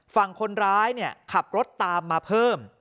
ฝั่งคนร้ายเนี่ยขับรถตามมาเพิ่ม